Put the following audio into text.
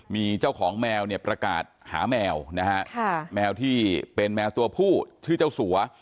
มีเจ้าของแมวเนี่ยประกาศหาแมวนะฮะแมวที่เป็นแมวตัวผู้ชื่อเจ้าสัว